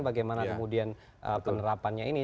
bagaimana kemudian penerapannya ini